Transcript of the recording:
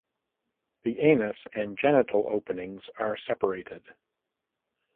The anus and genital openings are separated.